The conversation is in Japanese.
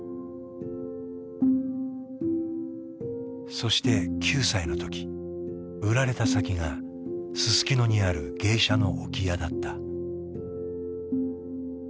そして９歳の時売られた先がすすきのにある芸者の置屋だった。